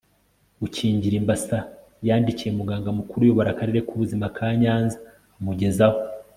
gukingira imbasa yandikiye muganga mukuru uyobora akarere k'ubuzima ka nyanza amugezaho